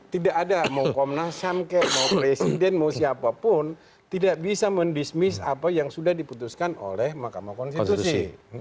tidak ada mau komnas ham kek mau presiden mau siapapun tidak bisa mendismis apa yang sudah diputuskan oleh mahkamah konstitusi